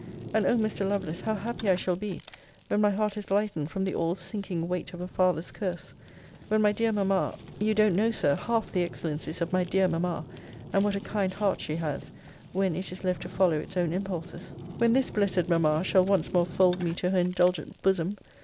And O Mr. Lovelace, how happy I shall be, when my heart is lightened from the all sinking weight of a father's curse! When my dear mamma You don't know, Sir, half the excellencies of my dear mamma! and what a kind heart she has, when it is left to follow its own impulses When this blessed mamma shall once more fold me to her indulgent bosom!